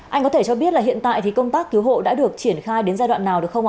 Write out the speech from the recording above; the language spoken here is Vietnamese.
anh có thể cho biết là hiện tại thì công tác cứu hộ đã được triển khai đến giai đoạn nào được không ạ